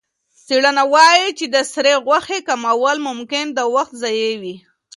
څېړنه وايي چې د سرې غوښې کمول ممکن د وخت ضایع وي.